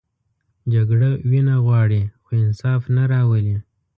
جګړه وینه غواړي، خو انصاف نه راولي